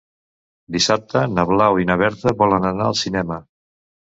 Dissabte na Blau i na Berta volen anar al cinema.